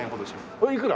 おいくら？